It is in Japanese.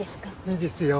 いいですよ。